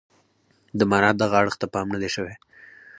د معنا دغه اړخ ته پام نه دی شوی.